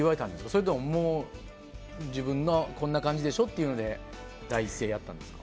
それとも自分がこんな感じでしょっていう感じで第１声やったんですか？